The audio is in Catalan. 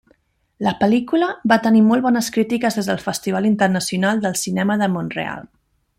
La pel·lícula va tenir molt bones crítiques des del Festival Internacional del Cinema de Mont-real.